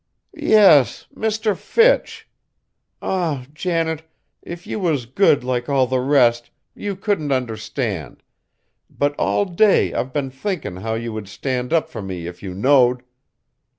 "Yes, Mr. Fitch. Ah! Janet, if you was good like all the rest, you couldn't understand, but all day I've been thinkin' how you would stand up fur me if you knowed!